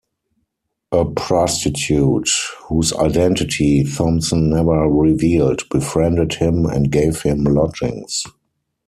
A prostitute, whose identity Thompson never revealed, befriended him and gave him lodgings.